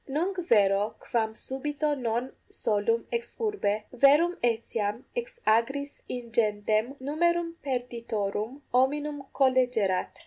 Nunc vero quam subito non solum ex urbe, verum etiam ex agris ingentem numerum perditorum hominum collegerat!